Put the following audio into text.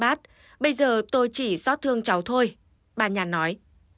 bác bát bây giờ tôi chỉ xót thương cháu thôi bà nhàn nói